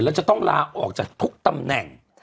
แล้วจะต้องลาออกจากทุกตำแหน่ง